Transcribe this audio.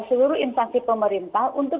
seluruh instansi pemerintah untuk